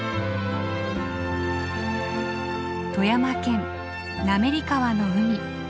富山県滑川の海。